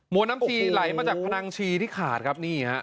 วนน้ำชีไหลมาจากพนังชีที่ขาดครับนี่ฮะ